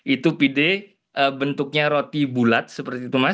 itu pide bentuknya roti bulat seperti itu mas